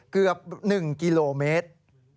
เกือบ๑กิโลเมตร